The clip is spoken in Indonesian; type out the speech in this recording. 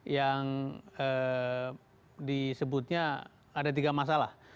yang disebutnya ada tiga masalah